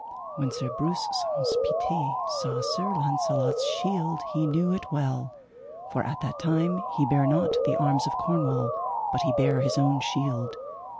When Sir Breuse Saunce Pité saw Sir Launcelot's shield he knew it well, for at that time he bare not the arms of Cornwall, but he bare his own shield.